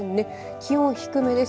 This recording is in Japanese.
気温は低めです。